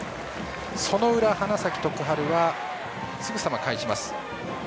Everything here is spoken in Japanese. その裏、花咲徳栄はすぐさま返します。